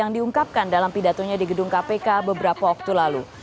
yang diungkapkan dalam pidatonya di gedung kpk beberapa waktu lalu